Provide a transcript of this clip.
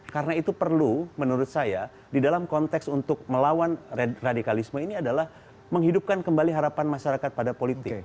karena itu perlu menurut saya di dalam konteks untuk melawan radikalisme ini adalah menghidupkan kembali harapan masyarakat pada politik